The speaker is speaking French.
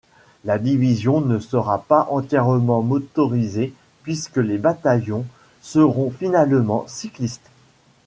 La division ne sera pas entièrement motorisée puisque les bataillons seront finalement cyclistes.